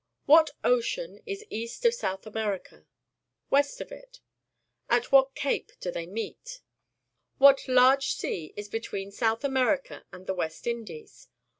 — What ocean is east of South America? West of it? At what cape do they meet? What large sea is between South America and the West Indies?